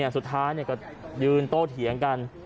สุดท้ายก็ยืนโต้เถียงกัน